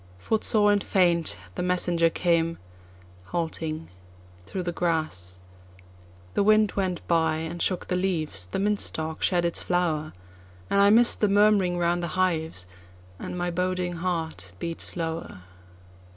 Footsore and faint, the messenger came halting through the grass. The wind went by and shook the leaves—the mint stalk shed its flower—And I miss'd the murmuring round the hives, and my boding heart beat slower.